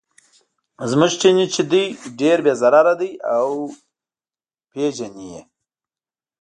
زموږ چیني چې دی ډېر بې ضرره دی او یې پیژني.